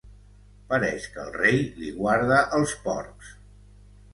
Pareix que el rei li guarda els porcs.